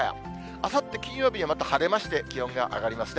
あさって金曜日がまた晴れまして、気温が上がりますね。